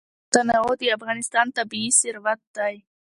تنوع د افغانستان طبعي ثروت دی.